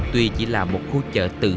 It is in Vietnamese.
tuy chỉ là một khu chợ tươi